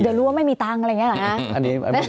เดี๋ยวรู้ว่าไม่มีตังค์อะไรอย่างนี้เหรอฮะ